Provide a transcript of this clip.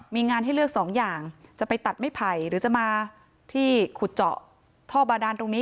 มีงานให้เลือกสองอย่างจะไปตัดไม่ไผ่หรือจะมาที่ขุดเจาะท่อบาดานตรงนี้